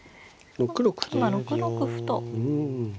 今６六歩と。